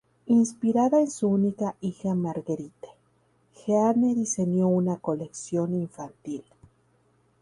Inspirada en su única hija Marguerite, Jeanne diseñó una colección infantil.